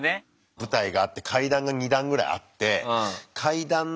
舞台があって階段が２段ぐらいあって階段のその１段目？